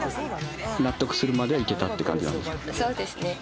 納得するまでいけたって感じそうですね。